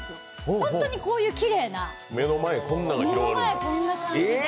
ホントにこういうきれいな、目の前こんな感じで。